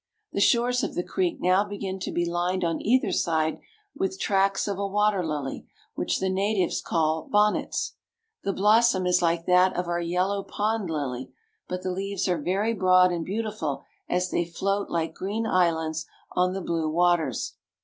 The shores of the creek now begin to be lined on either side with tracts of a water lily which the natives call bonnets. The blossom is like that of our yellow pond lily; but the leaves are very broad and beautiful as they float like green islands on the blue waters.